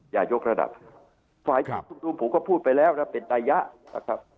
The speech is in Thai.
อย่ายกระดับฝ่ายที่คุณภูมิผมก็พูดไปแล้วนะเป็นนัยยะนะครับ